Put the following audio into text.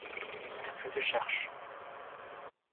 Je te cherche.